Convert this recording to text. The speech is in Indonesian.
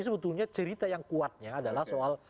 sebetulnya cerita yang kuatnya adalah soal